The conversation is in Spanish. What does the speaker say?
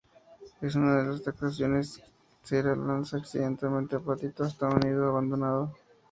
En una de sus actuaciones, Cera lanza accidentalmente a Patito hasta un nido abandonado.